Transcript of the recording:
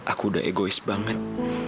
aku udah egois banget